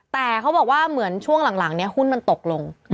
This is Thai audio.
แต่เขาบอกว่าเหมือนช่วงหลังเนี่ยหุ้นมันตกลง